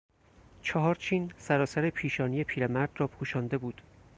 چهار چین سرتاسر پیشانی پیرمرد را پوشانده بود.